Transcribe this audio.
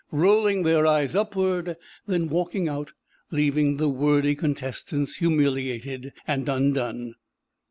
rolling their eyes upward, then walking out, leaving the wordy contestants humiliated and undone.